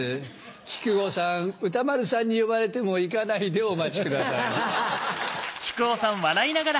木久扇さん歌丸さんに呼ばれても逝かないでお待ち下さい。